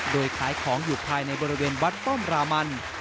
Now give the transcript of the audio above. โดยขายของอยู่ภายในบริเวณวัดป้อมรามัน